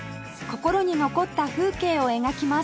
心に残った風景を描きます